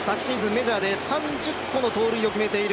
メジャーで３０個の盗塁を決めています。